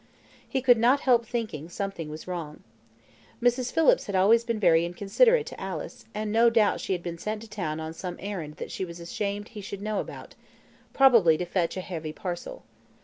He could not help thinking something was wrong. Mrs. Phillips had always been very inconsiderate to Alice, and no doubt she had been sent to town on some errand that she was ashamed he should know about probably to fetch a heavy parcel.